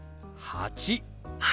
８。